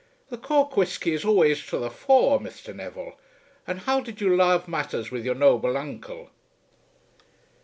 "The Cork whisky is always to the fore, Mr. Neville. And how did you lave matters with your noble uncle?"